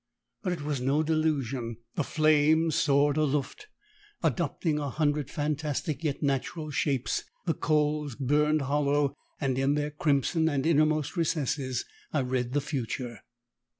But it was no delusion; the flames soared aloft, adopting a hundred fantastic yet natural shapes; the coals burned hollow, and in their crimson and innermost recesses I read the future.